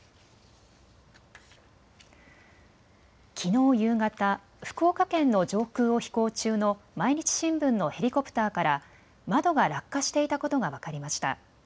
きのう夕方、福岡県の上空を飛行中の毎日新聞のヘリコプターから窓が落下していたことが分かりました。